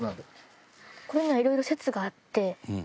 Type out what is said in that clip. これにはいろいろ説があって。